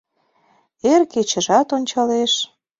«Эр кечыжат ончалеш —